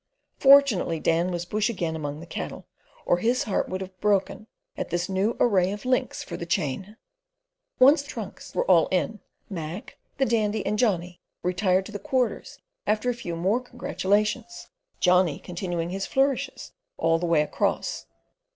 Fortunately Dan was "bush" again among the cattle, or his heart would have broken at this new array of links for the chain. Once the trunks were all in, Mac, the Dandy, and Johnny retired to the Quarters after a few more congratulations, Johnny continuing his flourishes all the way across.